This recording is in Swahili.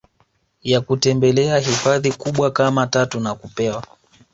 ya kutembelea hifadhi kubwa kama tatu nakupewa